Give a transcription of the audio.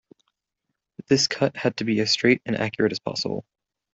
This cut had to be as straight and accurate as possible.